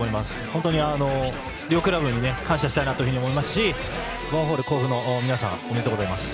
本当に両クラブに感謝したいと思いますしヴァンフォーレ甲府の皆さんおめでとうございます。